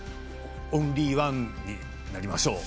オンリーワンになりましょう。